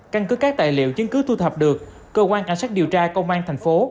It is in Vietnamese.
căn cứ các tài liệu chứng cứ thu thập được cơ quan cảnh sát điều tra công an thành phố